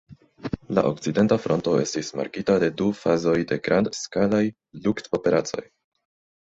La Okcidenta Fronto estis markita de du fazoj de grand-skalaj lukt-operacoj.